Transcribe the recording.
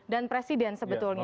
dan presiden sebetulnya